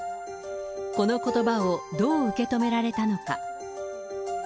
このことばをどう受け止められたのか。